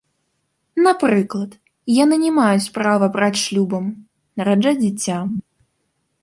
Напрыклад, яны не маюць права браць шлюбам, нараджаць дзіця.